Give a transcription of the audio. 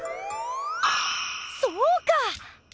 そうか！